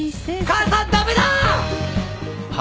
母さん駄目だぁ！